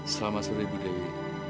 selamat sore ibu dewi